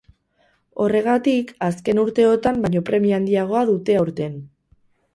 Horregatik, azken urteotan baino premia handiagoa dute aurten.